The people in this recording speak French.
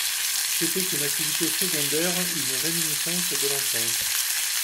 c’était une activité secondaire, une réminiscence de l’enfance.